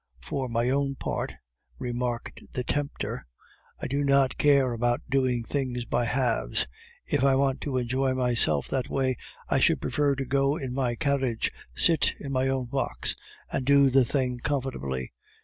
"For my own part," remarked the tempter, "I do not care about doing things by halves. If I want to enjoy myself that way, I should prefer to go in my carriage, sit in my own box, and do the thing comfortably.